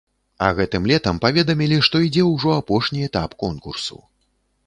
А гэтым летам паведамілі, што ідзе ўжо апошні этап конкурсу.